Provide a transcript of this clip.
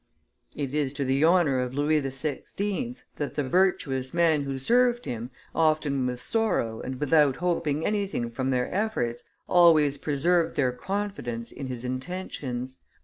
It is to the honor of Louis XVI. that the virtuous men who served him, often with sorrow and without hoping anything from their efforts, always preserved their confidence in his intentions.